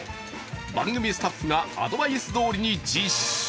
番組スタッフがアドバイス通りに実食。